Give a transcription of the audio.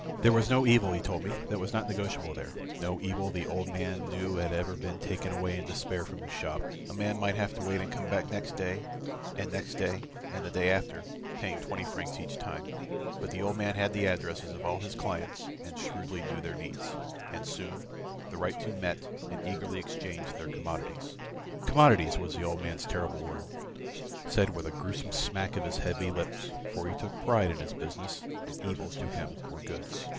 There was no evil, he told me, that was not negotiable there; no evil the old man knew had ever been taken away in despair from his shop. A man might have to wait and come back again next day, and next day and the day after, paying twenty francs each time, but the old man had the addresses of all his clients and shrewdly knew their needs, and soon the right two met and eagerly exchanged their commodities. "Commodities" was the old man's terrible word, said with a gruesome smack of his heavy lips, for he took a pride in his business and evils to him were goods.